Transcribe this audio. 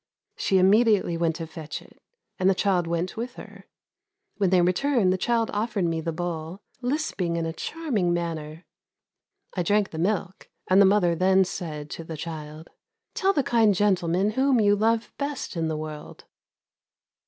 She immediately went to fetch it, and the child went with her. When they returned the child offered me the bowl, lisping in a charming manner. I drank the milk, and the mother then said to the child: "Tell the kind gentleman whom you love best in the world."